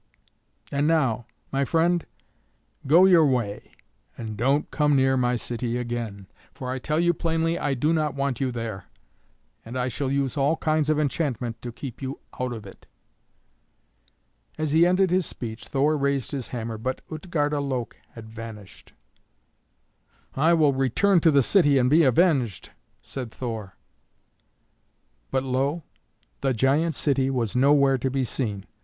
"And now, my friend, go your way, and don't come near my city again, for I tell you plainly I do not want you there, and I shall use all kinds of enchantment to keep you out of it." As he ended his speech, Thor raised his hammer, but Utgarda Loke had vanished. "I will return to the city, and be avenged," said Thor. But lo! the giant city was nowhere to be seen.